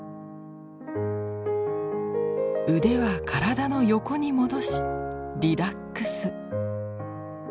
腕は体の横に戻しリラックス。